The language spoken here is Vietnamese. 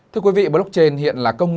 thưa quý vị blockchain hiện là công nghệ